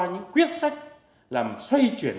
những quyết sách làm xoay chuyển